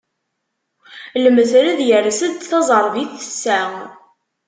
Lmetred yers-d, taẓerbit tessa.